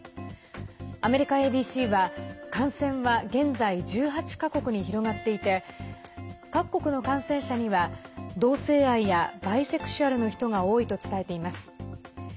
アメリカＡＢＣは、感染は現在１８か国に広がっていて各国の感染者には同性愛やバイセクシュアルの人が多いと伝えています。